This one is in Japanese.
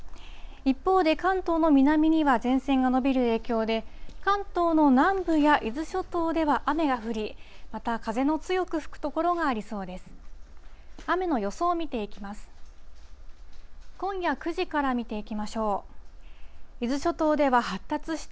一方で関東の南には前線が延びる影響で、関東の南部や伊豆諸島では雨が降り、また風の強く吹く所がありそうです。